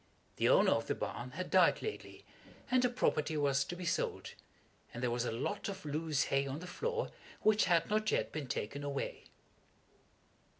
The owner of the barn had died lately, and the property was to be sold, and there was a lot of loose hay on the floor which had not yet been taken away.